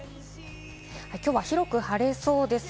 きょうは広く晴れそうです。